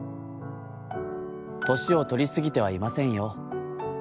『年をとりすぎてはいませんよ。